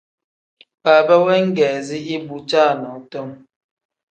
Baaba weegeezi ibu caanadom.